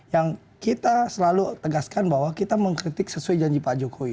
yang kita selalu tegaskan bahwa kita mengkritik sesuai janji pak jokowi